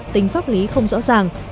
tính pháp lý không rõ ràng